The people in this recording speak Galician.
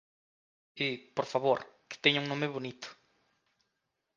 E, por favor, que teña un nome bonito.